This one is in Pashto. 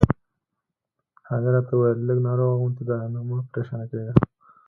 هغې راته وویل: لږ ناروغه غوندې ده، نو مه پرېشانه کېږه.